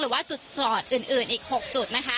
หรือว่าจุดจอดอื่นอีก๖จุดนะคะ